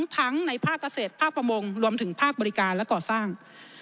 ทั้งในภาคเกษตรภาคประมงรวมถึงภาคบริการและก่อสร้าง